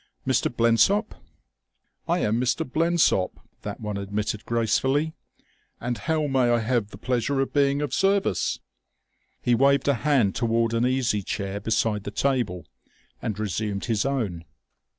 "Mr. Blensop?" "I am Mr. Blensop," that one admitted gracefully. "And how may I have the pleasure of being of service?" He waved a hand toward an easy chair beside the table, and resumed his own.